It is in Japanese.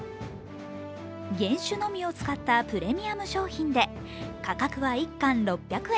原酒のみを使ったプレミアム商品で価格は１缶６００円。